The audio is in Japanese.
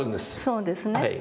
そうですね。